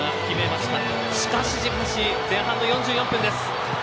しかし前半の４４分です。